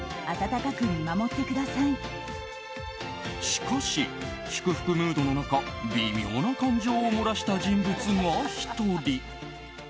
しかし、祝福ムードの中微妙な感情をもらした人物が１人。